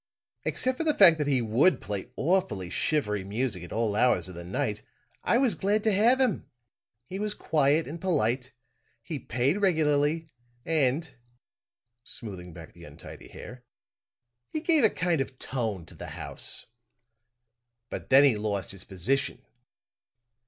Except for the fact that he would play awfully shivery music at all hours of the night, I was glad to have him. He was quiet and polite; he paid regularly and," smoothing back the untidy hair, "he gave a kind of tone to the house. "But then he lost his position.